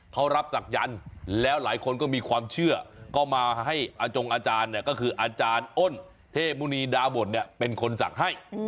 เขารับศักยันต์แล้วหลายคนก็มีความเชื่อก็มาให้อาจงอาจารย์เนี่ยก็คืออาจารย์อ้นเทพมุณีดาบทเนี่ยเป็นคนศักดิ์ให้